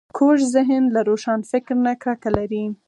کوږ ذهن له روښان فکر نه کرکه لري